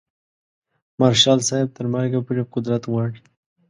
مارشال صاحب تر مرګه پورې قدرت غواړي.